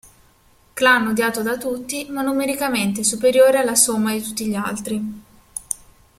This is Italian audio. Clan odiato da tutti ma numericamente superiore alla somma di tutti gli altri.